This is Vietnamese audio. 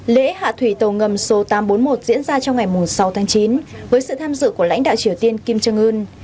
lễ hạ thủy tàu ngầm số tám trăm bốn mươi một diễn ra trong ngày sáu tháng chín với sự tham dự của lãnh đạo triều tiên kim jong un